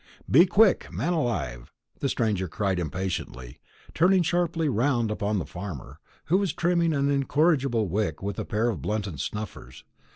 "Be quick, man alive," the stranger cried impatiently, turning sharply round upon the farmer, who was trimming an incorrigible wick with a pair of blunted snuffers.